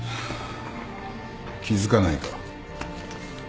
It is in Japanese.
気付かないか？